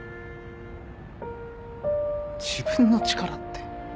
自分の力って。